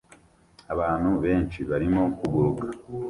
Abantu benshi barimo kuguruka